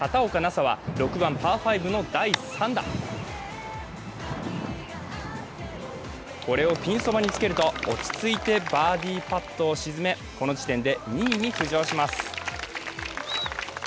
紗は６番パー５の第３打、これをピンそばにつけると、落ち着いてバーディーパットを沈めこの時点で２位に浮上します。